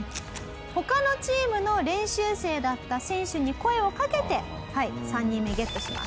他のチームの練習生だった選手に声をかけて３人目ゲットします。